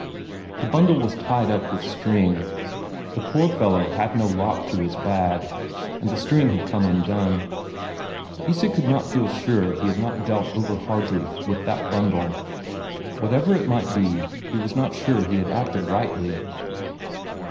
The bundle was tied up with string; the poor fellow had no lock to his bag, and the string had come undone Isak could not feel sure he had not dealt over hardly with that bundle. Whatever it might be he was not sure he had acted rightly.